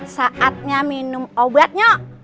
saatnya minum obatnya